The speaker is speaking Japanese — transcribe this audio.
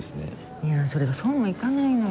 いやそれがそうもいかないのよ。